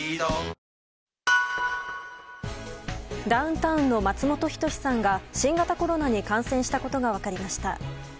ダウンタウンの松本人志さんが新型コロナに感染したことが分かりました。